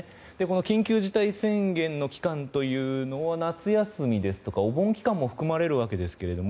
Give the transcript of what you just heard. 緊急事態宣言の期間というのは夏休みですとかお盆期間も含まれるわけですけれども。